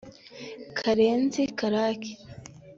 Karenzi Karake